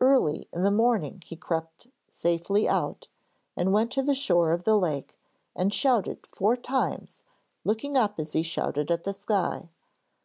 Early in the morning he crept safely out, and went to the shore of the lake and shouted four times, looking up as he shouted at the sky.